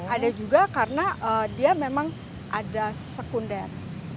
ada juga karena dia memang ada sekunder